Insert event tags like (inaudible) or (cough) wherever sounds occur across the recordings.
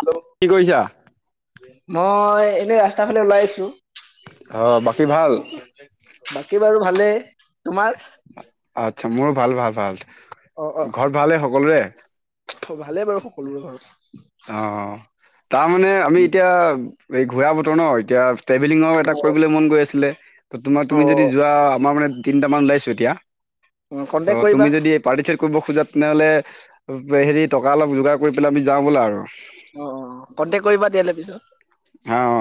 Hello কি কৰিছা মই এনে ৰাস্তা ফালে ওলাই আহিছো অ বাকী ভাল? বাকী বাৰু ভালেই তোমাৰ আচ্ছা মোৰ ভাল ভাল ভাল অ অ ঘৰত ভালে সকলোৰে ভালেই বাৰু সকলোৰে ঘৰত অ তাৰমানে আমি এতিয়া এই ঘূৰা বতৰ ন এতিয়া ট্ৰেভেলিঙৰ এটা কৰিবলৈ মন গৈ আছিলে ত তোমাৰ অ তুমি যদি যোৱা আমাৰ মানে তিনটামান ওলাইছো এতিয়া অ কন্টেক্ট ত' কৰিবা তুমি যদি পাৰ্টিচিপেট কৰিব খোজা তেনেহ'লে হেৰি টকা অলপ যোগাৰ কৰি পেলাই আমি যাওঁ বলা আৰু অ অ কণ্টেক কৰিবা তেতিয়াহলে পিছত অ অ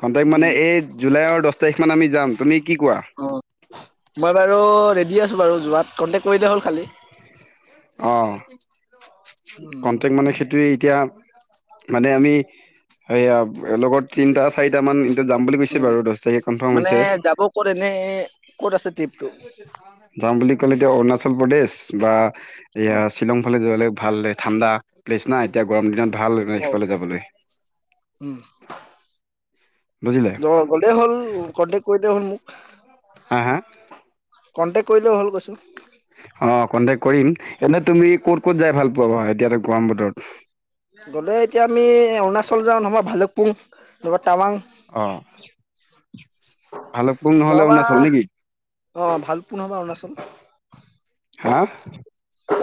কণ্টেক মানে উম এই জুলাইৰ দহ তাৰিখমান আমি যাম তুমি কি কোৱা অ মই বাৰু ৰেডি আছো বাৰু যোৱাত কণ্টেক কৰিলে হ'ল খালি অ উম কণ্টেক মানে সেইটোৱে এতিয়া মানে আমি এইয়া লগত তিনটা চাৰিটা মান এ যাম বুলি কৈছে উম বাৰু দহ তাৰিখে কনফাৰ্ম মানে হৈছে যাব কত এনে ক'ত আছে ট্ৰিপটো যাম বুলি ক'লে এতিয়া অৰুণাচল প্ৰদেশ বা অ এয়া শ্বিলং ফালে যোৱ হলে ভাল ঠাণ্ডা প্লেচ না এতিয়া গৰম দিনত ভাল এনে অ সেইফালে যাবলৈ উম বুজিলে দ অল কলে হ'ল কন্টেক কৰিলে হ'ল মোক হা হা কণ্টেক কৰিলে হল কৈছো অ কণ্টেক কৰিম এনেই তুমি ক'ত ক'ত যাই ভাল পোৱা বাৰু এতিয়াটো গৰম বতৰত গ'লে এতিয়া আমি এ অৰুণাচল যাওঁ নহবা ভালুকপুং নাইবা টাৱাং অ ভালুকপুং নহ'লে নহবা অৰুণাচল নেকি অ ভালুকপুং নহ'বা অৰুণাচল হা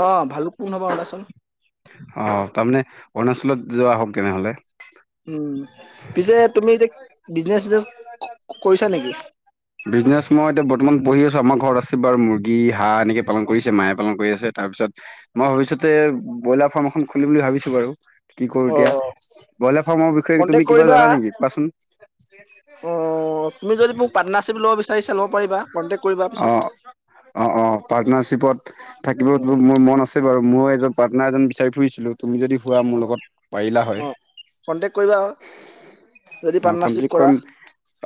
অ ভালুকপুং নহবা অৰুণাচল অ তাৰমানে অৰুণাচলত যোৱা হওক তেনেহ'লে উম পিছে তুমি এতিয়া বিজনেছ চিজনেছ ক কৰিছা নেকি বিজনেছ মই এতিয়া বৰ্তমান পঢ়ি আছো আমাৰ ঘৰত আছে বাৰু মুৰ্গী হাঁহ এনেকে পালন কৰিছে মায়ে পালন কৰি আছে তাৰপিছত মই ভৱিষ্যতে ব্ৰইলাৰ ফাৰ্ম এখন খুলিম বুলি ভাবিছো বাৰু কি কৰো অ এতিয়া ব্ৰইলাৰ ফাৰ্মৰ বিষয়ে কন্টেক তুমি কিবা কৰিবা জানা নেকি কোৱাচোন অ অ অ' তুমি যদি মোক পাৰ্টনাৰচিপ ল'ব বিচাৰিছা ল'ব পাৰিবা, কন্টেক্ট কৰিবা অ পিছত। অ' অ' পাৰ্টনাৰশ্বিপত অ থাকিবটো মোৰ মন আছে। বাৰু মও এজন পাৰ্টনাৰ এজন বিচাৰি ফুৰিছিলো। তুমি যদি পুৱা মোৰ লগত, পাৰিলা অ হয়। কন্টেক কৰিবা যদি পাৰ্টনাৰশ্বিপ কৰা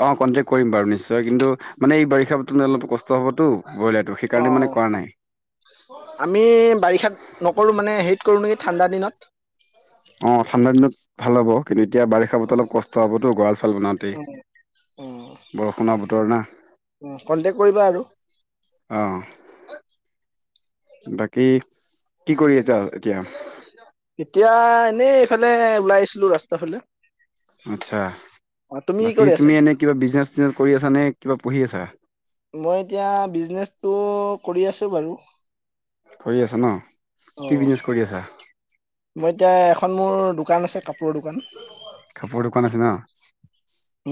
অঁ কণ্টেক্ট কৰিম বাৰু নিশ্চয় কিন্তু মানে এই বাৰিষা বতৰত অলপ কষ্ট হ'বতো। ব্ৰইলা টো অ সেইকাৰণে মানে কৰা নাই। আমি বাৰিষাত নকৰো মানে হেৰিত কৰো নেকি ঠাণ্ডাৰ দিনত। অঁ ঠাণ্ডা দিনত ভাল হ'ব কিন্তু এতিয়া বাৰিষ খা বতৰত অলপ কষ্ট হ'বতো গঁৰাল চৰাল বনাওঁতেই অ বৰষুণৰ বতৰ না উম কণ্টেক্ট কৰিবা আৰু। অঁহ। বাকী কি কৰি এতিয়া? এতিয়া এনেই এইফালে ওলাই আহিছিলো ৰাস্তা ফালে। আচ্ছা অ তুমি কি বাকী কৰি আছা তুমি এতিয়া এনেই কিবা বিজনেছ চিজনেছ কৰি আছা নে কিবা পঢ়ি আছা? মই এতিয়া বিজনেছ টো কৰি আছো বাৰু। কৰি আছা ন' অ কি বিজনেছ কৰি আছা? মই এতিয়া এখন মোৰ দোকান আছে কাপ কাপোৰৰ দোকান আছে ন'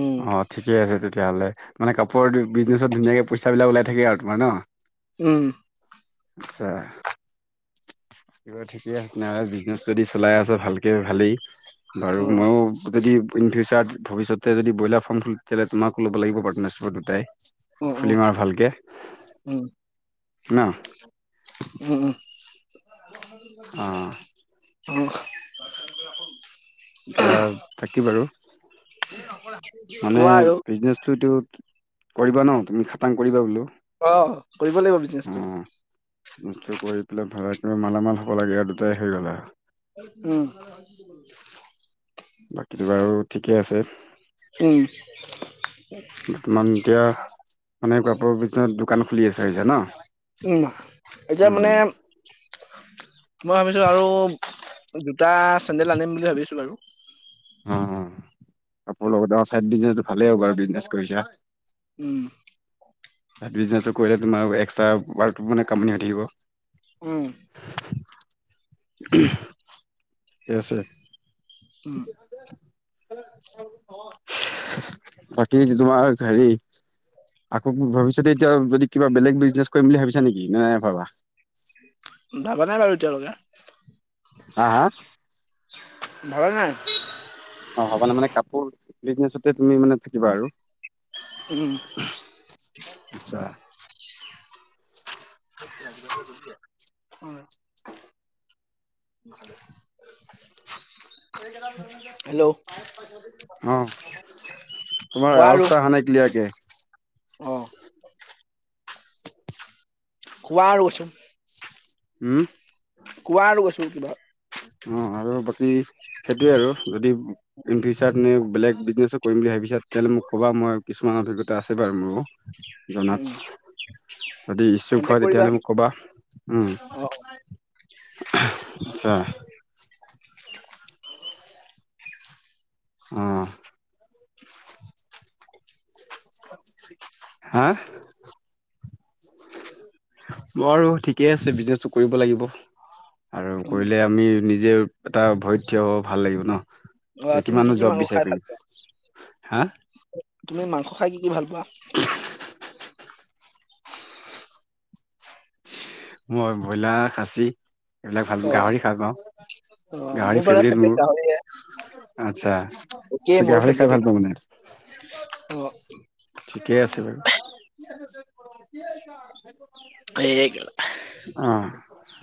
উম অঁ ঠিকে আছে তেতিয়াহ'লে। মানে কাপোৰৰ বিজনেছত ধুনীয়াকে পইচাবিলাক ওলাই থাকে আৰু তোমাৰ ন। উম। আচ্ছা। দিয়া ঠিকে আছে তেনেহলে বিজনেছ যদি চলাই আছা ভালকে ভালেই, আৰু অ মইও অ যদি ইনফিউচাৰত ভৱিষ্যতে যদি ব্ৰইলাৰ ফাৰ্ম খুলো তেতিয়াহলে তোমাক‌ ল'ব লাগিব পাৰ্টনাৰশ্বিপত দুটাই অ খুলিম আৰু ভালকে উম ন' উম। অ অহ। কেয়াৰ থাকি বাৰু হে নকৰা? মানে বিজনেছটো তো কৰিবা ন তুমি খাটাং কৰিবা বোলো? অ' কৰিব লাগিব বিজনেছটো। এইটো কৰি পেলাই ভালকে মালামাল হ'ব লাগে আৰু দুটাই হৈ গ'ল আও উম। বাকীতো বাৰু ঠিকে আছে? উম। বৰ্তমান এতিয়া মানে কাপোৰৰ বিজনেজ দোকান খুলিব ইচ্ছা আছে ন! উম, এতিয়া উম মানে মই ভাবিছো আৰু যোটা চেণ্ডেল আনিম বুলি ভাবিছো আৰু। ওম ওম কাপোৰৰ লগতে অঁ চাইদ বিজনেজটো ভালেই হ'ব বাৰু বিজনেজ কৰিছা। উম। চাইত বিজনেচটো কৰিলে তোমাৰ এক্সট্ৰা মানে কামনি আহি থাকিব। উম, (unintelligible) থিকে আছে। উম (unintelligible) অঁ বাকী তোমাৰ হেৰী। আকৌ ভৱিষ্যতে এতিয়া যদি কিবা বেলেগ বিজনেছ কৰিম বুলি ভাবিছা নেকি, নাই ভবা? ভাবা নাই বাৰু এতিয়ালকে। হা হা? ভাবা নাই। অ হ'বানে মানে কাপোৰ বিজনেচতে তুমি মানে থাকিবা আৰু? উম। আচ্ছা। (inaudible) (inaudible) (inaudible) হেল্ল'! অ তোমাৰ অৱজটো আহা নাই ক্লিয়াৰকে। অহ। কোৱা আৰু কৈছো। হুম? কোৱা আৰু কৈছো অ আৰু বাকী সেইটোয়ে আৰু যদি ইনফিউচাৰত বেলেগ বিজনেছত কৰিম বুলি ভাবিছা, তেতিয়াহলে মোক ক'বা মই কিছুমান অভিজ্ঞতা আছে বাৰু মোৰো উম জনাম। উম যদি ইচ্ছুক কন্টেক্ট হয়, কৰিবা তেতিয়াহলে মোক কবা উম। অ আচ্ছা। (inaudible) অঁহ (inaudible) হা? বাৰু ঠিকে আছে। বিজনেচটো কৰিব লাগিব। আৰু উম কৰিলে আমি নিজে এটা ভৰিত থিয় হব ভাল লাগিব ন। অ ত' তুমি কি কিমান নো কি জব মাংস খাই বিচাৰি ভাল পোৱা ফুৰিম। হা? তুমি মাংস খাই কি কি ভাল পোৱা? মই ব্ৰইলাৰ, খাচী। এইবিলাক ভাল পাওঁ, অ', গাহৰি ভাল পাওঁ, অ', মোৰ গাহৰি বাৰু ফেভেৰেট ফেভৰেট গাহৰিয়ে, মোৰ। আচ্ছা। একেই ত' মোৰ গাহৰি ফেভৰেট খাই ভাল পোৱা মানে? অ ঠিকে আছে বাৰু। এ অ',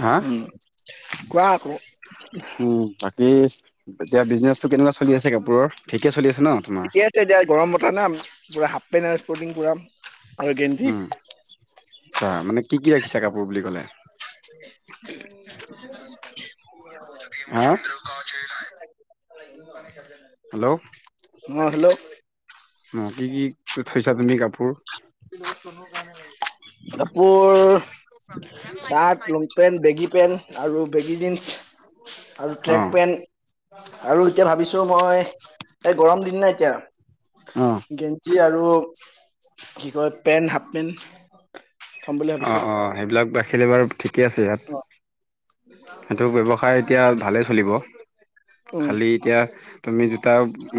হা? উম, কোৱা আক'? উম, বাকী এতিয়া বিজনেচটো কেনেকুৱা চলি আছে কাপোৰৰ? ঠিকে চলি আছে ন? তোমাৰ? ঠিকে আছে দিয়া গৰম বতৰ না পুৰা হাফ পেণ্ট আৰু ইছপৰ্তিন পুৰা আৰু গেঞ্জি উম চা মানে কি কি ৰাখিছা কাপোৰ বুলি কলে? (inaudible) হা? অঁ হেল্ল'! অঁ কি কি থৈছা তুমি কাপোৰ? কাপোৰ shirt long pant, baggy pant আৰু বেগী জীন্স। অঁ। আৰু এতিয়া ভাবিছো মই এই গৰম দিন ন এতিয়া অঁ। গেঞ্জী আৰু কি কয় পেণ্ট হাফ পেণ্ট। অঁ অঁ সেইবিলাক বাছিলে বাৰু ঠিকে আছে ইয়াত, অ', সেইটো ব্যৱসায় এতিয়া ভালেই চলিব। উম, খালি এতিয়া তুমি জোতা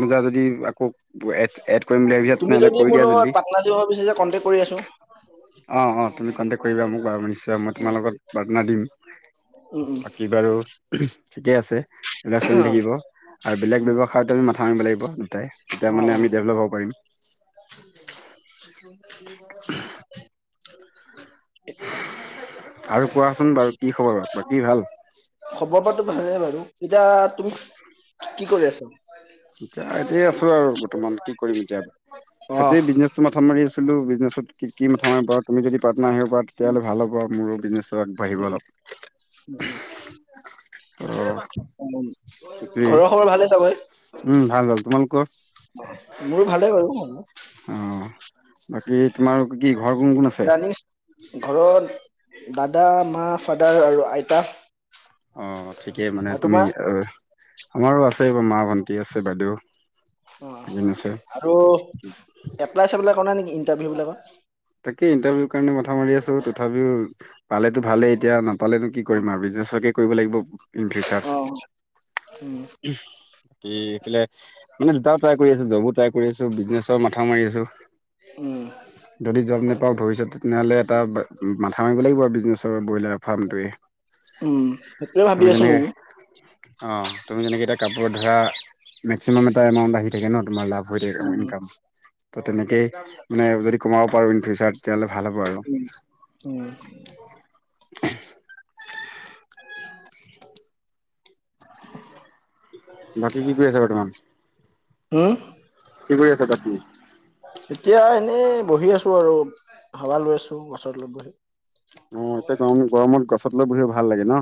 মোজা যদি আকৌ এড এড কৰিম বুলি ভাবিছা, তেনেহ'লে কৰি দিয়া জল্দি। সি ভাবিছে যে কণ্টেক্ট কৰি আছো। অঁ অঁ তুমি কণ্টেকট কৰিবা মোক বাৰু নিছ তেতিয়া মই উম, তোমাৰ লগত বাৰ্থনা দিম উম, উম। বাকী বাৰু ঠিকে আছে। এইবিলাক চলি অ', থাকিব আৰু বেলেগ ব্যৱসায়ত মাথা মাৰিব লাগিব দুটাই তেতিয়া অ', মানে অ'। আমি ডেভলপ হ'ব পাৰিম। (inaudible) আৰু কোৱাচোন বাৰু কি খবৰ বাকী ভাল। খবৰপাতো ভালে বাৰু, এতিয়া তুমি কি কৰি আছ। এতিয়া এইয়াতে আছো আৰু বৰ্তমান কি কৰিম এতিয়া, বাকী বিজনেচ মাথা মাৰি আছিলোঁ বিজনেছত কি মথা মাৰিব পাৰা তুমি যদি পাটনাৰ আহিব পাৰা তেতিয়াহ'লে ভাল হ'ব মোৰো বিজনেছ টো আগবাঢ়িব অলপ। অ' সেইটোৱেই ঘৰৰ খবৰ ভালে নে চাবৰে? উম ভাল ভাল তোমালোকৰ? মোৰো ভালে বাৰু। অঁ, বাকী তোমাৰ কি ঘৰ কোন কোন আ জানিচ ঘৰত দাদা মা ফাদাৰ আৰু আইতা। অঁ, ঠিকেই মানে আৰু তুমি তোমাৰ? এ আমাৰো আছে মা ভণ্টি আছে বাইদেউ। অঁ এজনী আছে। আৰু এপ্লাই চাবলৈ কৰা নাই নেকি ইন্টাৰভিউ বিলাকত? তাকে ইণ্টাৰভিউৰ কাৰণে মাথা মাৰি আছো তথাপিও পালেতো ভালেই এতিয়া, নাপালেতো কি অ', কৰিম আৰু বিজনেছকে কৰিব লাগিব ইন ফিউচাৰ। উম। উম বাকী সেইফালে মানে দুটাও ট্ৰাই কৰি আছো জবো ট্ৰাই কৰি আছো বিজনেছৰ মাথা মাৰি আছো। উম যদি জব নাপাওঁ ভৱিষ্যত তেনেহ'লে এটা মাথা মাৰিব লাগিব আৰু বিজনেছৰ বইলাৰ ফাৰ্মটোৱে। উম, সেইটোৱে ভাবি আছো ময়ো। (inaudible) অঁ, ‌ তুমি যেনেকে এতিটা কাপোৰ ধৰা মেক্সিমাম এটা এমাউণ্ট আহি থাকে ন তোমাৰ লাভ হৈ থাকিব উম, ইনকাম, ত তেনেকেইে মানে যদি কমাব পাৰো ইন ফিউচাৰ তেতিয়াহ'লে ভাল হ'ব আৰু। উম (inaudible) বাকী কি কৰি আছে বৰ্তমান? হম কি কৰি আছা বাকী? এতিয়া এনেই বহি আছো আৰু হাৱা লৈ আছো গছৰ তলত বহি। অঁ এতিয়া গৰম গৰমত গছত তলত বহি ভাল লাগে ন?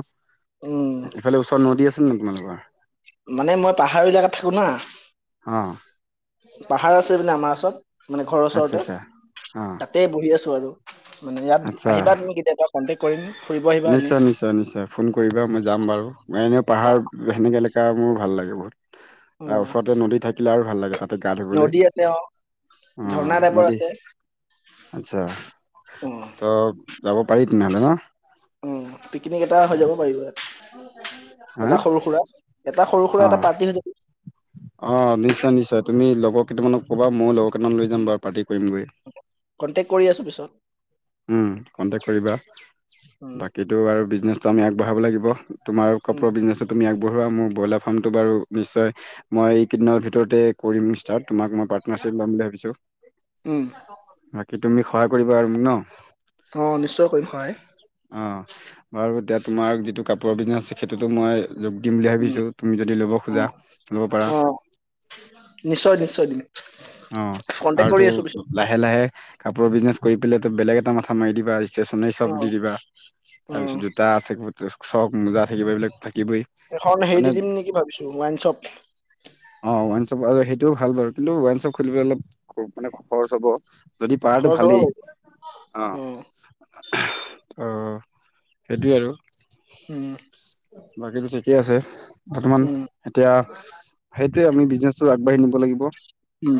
উম। ইফালে ওচৰত নদী আছে নেকি তোমালোকৰ? মানে মই পাহাৰ ইলাকাত থাকো না। অঁহ পাহাৰ আছে নে আমাৰ ওচৰত মানে ঘৰৰ আচ্ছা ওচৰতে, আচ্ছা অ তাতে বহি আছো আৰু, মানে ইয়াত আচ্ছা আহিবা তুমি কেতিয়াবা কণ্টেক কৰিম ফুৰিব আহিবা এনে। নিশ্চয় নিশ্চয় নিশ্চয় ফোন কৰিবা মই যাম বাৰু এনেও অ পাহাৰ সেনেকা ইলেকা মোৰ ভাল লাগে বহুত। অ তাৰ ওচৰতে নদী থাকিলে আৰু ভাল লাগে তাত গা ধুবলৈ নদী আছে অ অ ঝৰ্ণা টাইপৰ নদী আছে আচ্ছা অ ত যাব পাৰি তেনেহলে ন উ পিকনিক এটা হৈ যাব পাৰিব হা এটা সৰু সুৰা এটা সৰু সুৰা এটা আহ পাৰ্টি হৈ যাব অ নিশ্চয় নিশ্চয় তুমি লগৰ কেইটামানক ক'বা মইয়ো লগৰ কেইটামান লৈ যাম বাৰু পাৰ্টি কৰিম গৈ কণ্টেক্ কৰি আছো পিছত উম কণ্টেক্ কৰিবা উম বাকীটো আৰু বিজনেছটো আমি আগবঢ়াব লাগিব তোমাৰ উম কাপোৰৰ বিজনছটো তুমি আগবঢ়োৱা মোৰ ব্ৰইলাৰ ফাৰ্মটো বাৰু নিশ্চয় মই এই কেইদিনৰ ভিতৰতে কৰিম ষ্টাৰ্ট তোমাক মই পাৰ্টনাৰশ্বিপ লম্ বুলি ভাবিছোঁ উম কি তুমি সহায় কৰিবা আৰু মোক ন অ নিশ্চয় কৰিম সহায় অ বাৰু এতিয়া তোমাৰ যিটো কাপোৰৰ বিজনেচ আছে সেইটোতো মই যোগ দিম বুলি উম ভাবিছোঁ তুমি যদি ল'ব অ খোজা ল'ব পাৰা অ নিশ্চয় নিশ্চয় দিম অ কন্টেক্ট আৰু কৰি তো আছো পিছত লাহে লাহে কাপোৰৰ বিজনেচ কৰি পেলাই তো বেলেগ এটা মাথা মাৰি দিবা ষ্টেচনাৰী অ চব দি দিবা অ তাৰ পিছত জোতা থাকিব চব মোজা থাকিব এইবিলাক থাকিবই এখন মানে হেৰি দিম নেকি ভাবিছো ৱাইনশ্বপ অ ৱাইনচপ আৰু সেইটোও ভাল বাৰু কিন্তু ৱাইনশ্বপ খুলিবলৈ অলপ মানে খৰচ হ'ব যদি পাৰাটো খৰচ হ'ব ভালেই বাৰু অ অ অ সেইটোৱে আৰু উম বাকীতো ঠিকেই আছে বৰ্তমান উম, এতিয়া সেইটোৱে আমি বিজনেছটো আগবাঢ়ি নিব লাগিব উম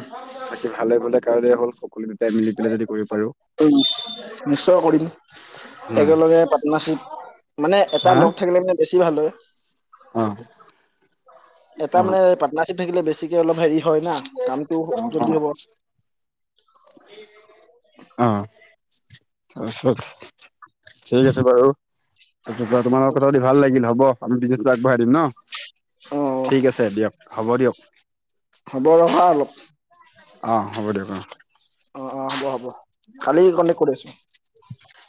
বাকী ভালে ভালে কাৰণে হ'ল সকলোকিতাই মিলি পেলাই যদি কৰিব পাৰো উম্ নিশ্চয় কৰিম হয় একেলগে পাৰ্টনাৰশিপ মানে এটা লগ থাকিলে মানে বেছি ভাল হয় অহ এটা মানে পাৰ্টনাৰশ্বিপ থাকিলে বেছিকে অলপ হেৰি হয় ন কামটো জল্দি অ হ'ব অ তাৰছত ঠিক আছে বাৰু তাৰপাছত তোমা লগত কথা পাতি ভাল লাগিল হব আমি বিজনেচটো আগবঢ়াই দিম ন অ', ঠিক আছে দিয়ক হ'ব দিয়ক হ'ব ৰখা অলপ অঁ হ'ব দিয়ক অঁ অ অ হ'ব হ'ব কালি কণ্টেক্ট কৰি আছো